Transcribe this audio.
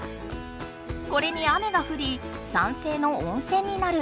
これに雨がふり酸性の温泉になる。